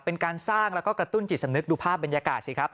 เป็นการสร้างแล้วก็กระตุ้นจิตสำนึกดูภาพบรรยากาศสิครับ